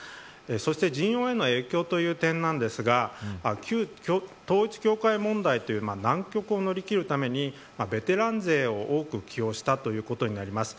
そして陣容への影響という点ですが旧統一教会問題という難局を乗り切るためにベテラン勢を多く起用したということになります。